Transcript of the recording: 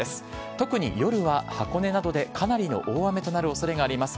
特に夜は、箱根などでかなりの大雨となるおそれがあります。